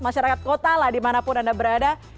masyarakat kota lah dimanapun anda berada